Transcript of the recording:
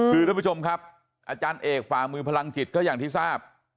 คือท่านผู้ชมครับอาจารย์เอกฝ่ามือพลังจิตก็อย่างที่ทราบ